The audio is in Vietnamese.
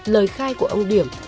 lời khai của ông điểm